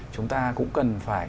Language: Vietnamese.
chúng ta cũng cần phải